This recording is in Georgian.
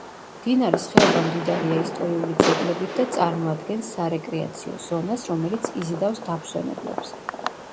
მდინარის ხეობა მდიდარია ისტორიული ძეგლებით და წარმოადგენს სარეკრეაციო ზონას, რომელიც იზიდავს დამსვენებლებს.